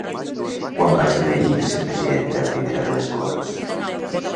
Quan va esdevenir vicepresidenta primera de les Corts?